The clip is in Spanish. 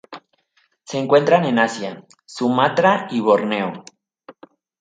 Se encuentran en Asia: Sumatra y Borneo.